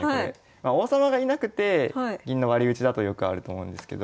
王様がいなくて銀の割り打ちだとよくあると思うんですけど。